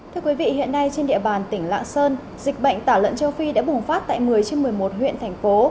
thưa quý vị hiện nay trên địa bàn tỉnh lạng sơn dịch bệnh tả lợn châu phi đã bùng phát tại một mươi trên một mươi một huyện thành phố